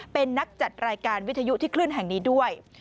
เป็นนักจัดรายการวิทยุที่คลื่นแห่งนี้ด้วย